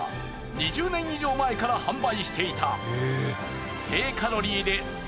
２０年以上前から販売していた。